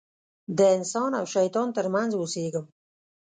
د انسان او شیطان تر منځ اوسېږم.